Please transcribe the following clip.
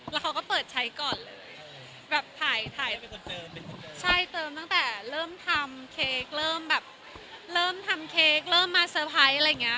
แล้วเขาก็เปิดใช้ก่อนแบบเติมตั้งแต่เริ่มทำเค้กเริ่มแบบเริ่มทำเค้กเริ่มมาเซอร์ไพรส์อะไรอย่างเงี้ย